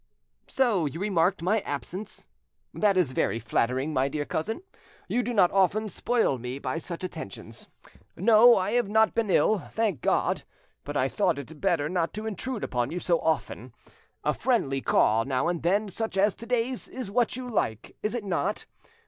"So you remarked my absence! That is very flattering, my dear cousin; you do not often spoil me by such attentions. No, I have not been ill, thank God, but I thought it better not to intrude upon you so often. A friendly call now and then such as to day's is what you like, is it not?